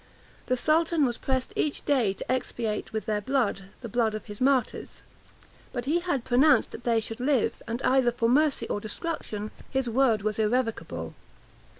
The sultan was pressed each day to expiate with their blood the blood of his martyrs; but he had pronounced that they should live, and either for mercy or destruction his word was irrevocable.